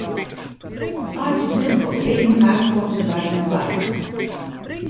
Nei't se in hiel skoft riden ha, komme se by in doarp.